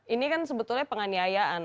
ini kan sebetulnya penganiayaan